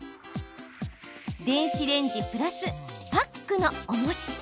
電子レンジプラスパックのおもし。